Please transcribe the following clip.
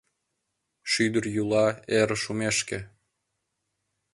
Шӱдыр йӱла эр шумешке.